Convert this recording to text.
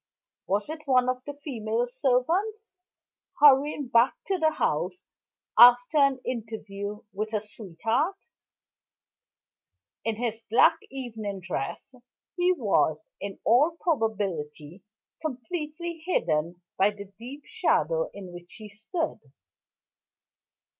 Was it one of the female servants, hurrying back to the house after an interview with a sweetheart? In his black evening dress, he was, in all probability, completely hidden by the deep shadow in which he stood.